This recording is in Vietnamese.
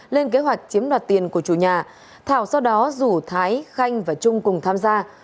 lên kế hoạch chiếm đoạt tiền của chủ nhà thảo sau đó rủ thái khanh và trung cùng tham gia